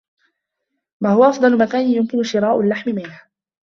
ما هو أفضل مكان يمكن شراء اللّحم منه؟